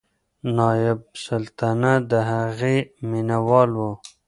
نایبالسلطنه د هغې مینهوال و.